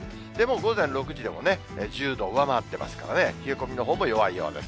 午前６時でも１０度を上回ってますからね、冷え込みのほうも弱いようです。